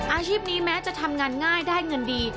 อาชีพนี้แม้จะทำงานง่ายได้เงินดี